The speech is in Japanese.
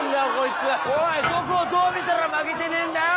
おいどこをどう見たら負けてねえんだよ。